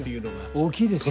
大きいですよ。